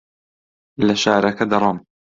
لە شارەکە دەڕۆم.